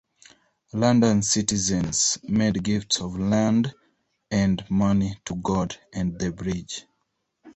London's citizens made gifts of land and money "to God and the Bridge".